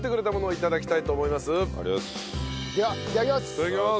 いただきます。